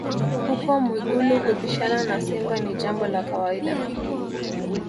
Huko Mwigulu kupishana na simba ni jambo la kawaida